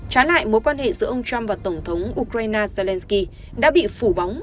trả lại mối quan hệ giữa ông trump và tổng thống ukraine zelenskyy đã bị phủ bóng